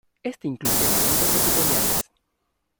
Este incluye elementos epiteliales.